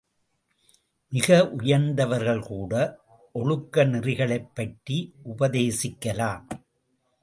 மிக உயர்ந்தவர்கள் கூட ஒழுக்க நெறிகளைப்பற்றி உபதேசிக்கலாம்.